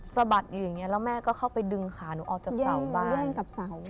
สะบัดอยู่อย่างนี้แล้วแม่ก็เข้าไปดึงขาหนูออกจากเสาบ้านกับเสา